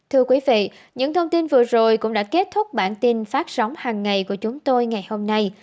thưa quý vị những thông tin vừa rồi cũng đã kết thúc bản tin phát sóng hàng ngày của chúng tôi ngày hôm nay